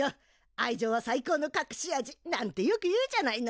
愛情は最高のかくし味なんてよく言うじゃないの！